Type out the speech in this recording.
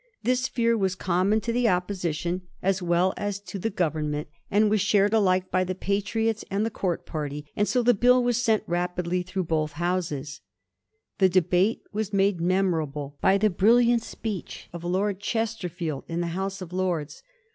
This fear was common to the Opposition as well as to the 100 A HISTORY OF THE FOUR GEORGES. ch. xzyu. Government, was shared alike by the Patriots and the Court party; and so the Bill was sent speedily through both Houses. The debate was made memorable by the brilliant speech of Lord Chesterfield in the House of Lords.